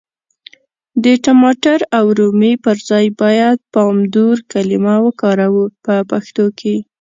د ټماټر او رومي پر ځای بايد پامدور کلمه وکاروو په پښتو کي.